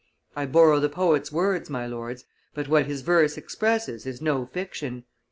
I borrow the poet's words, my lords, but what his verse expresses is no fiction.